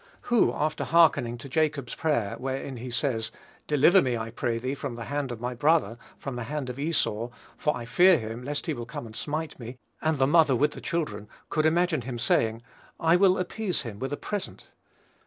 Who, after hearkening to Jacob's prayer, wherein he says, "Deliver me, I pray thee, from the hand of my brother, from the hand of Esau; for I fear him, lest he will come and smite me, and the mother with the children," could imagine him saying, "I will appease him with a present."